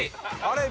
あれ？